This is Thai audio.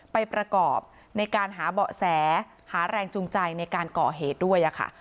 ไปประกอบในการหาเบาะแสหาแรงจูงใจในการก่อเหตุด้วยค่ะ